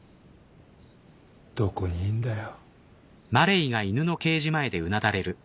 どこにいんだよ。